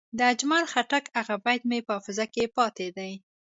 د اجمل خټک هغه بیت مې په حافظه کې پاتې دی.